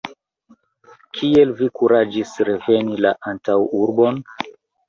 Kiel vi kuraĝis reveni la antaŭurbon?